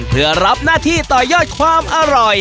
เพื่อรับหน้าที่ต่อยอดความอร่อย